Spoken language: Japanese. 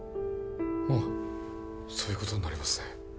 まあそういうことになりますね